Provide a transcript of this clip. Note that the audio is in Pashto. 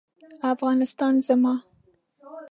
افغانستان زما